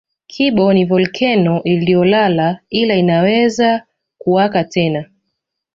Kibo ni volkeno iliyolala ila inaweza kuwaka tena